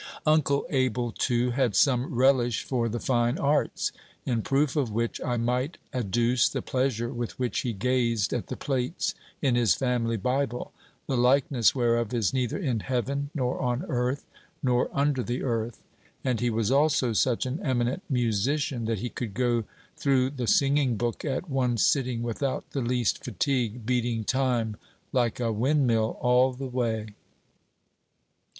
Uncle Abel, too, had some relish for the fine arts; in proof of which, I might adduce the pleasure with which he gazed at the plates in his family Bible, the likeness whereof is neither in heaven, nor on earth, nor under the earth. And he was also such an eminent musician, that he could go through the singing book at one sitting without the least fatigue, beating time like a windmill all the way.